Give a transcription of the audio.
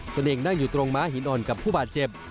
ตัวเองนั่งอยู่ตรงม้าหินอ่อนกับผู้บาดเจ็บ